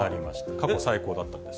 過去最高だったんです。